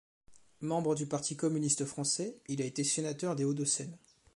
Membre du Parti communiste français, il a été sénateur des Hauts-de-Seine.